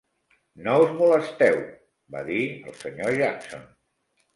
"No us molesteu", va dir el sr. Jackson.